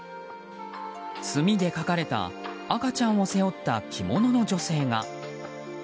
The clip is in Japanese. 墨で描かれた赤ちゃんを背負った着物の女性が。